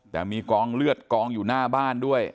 แต่มีกองเลือดกองอยู่หน้าบ้านด้วย